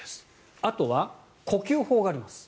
あとは呼吸法があります。